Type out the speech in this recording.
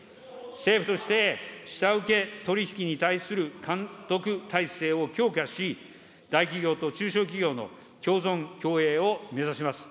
政府として下請け取り引きに対する監督体制を強化し、大企業と中小企業の共存共栄を目指します。